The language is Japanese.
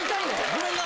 ごめんな。